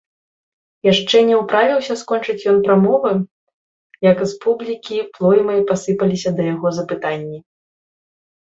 Яшчэ не ўправіўся скончыць ён прамовы, як з публікі плоймай пасыпаліся да яго запытанні.